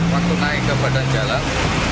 waktu naik ke badan jalan